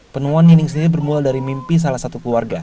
penemuan nining sendiri bermula dari mimpi salah satu keluarga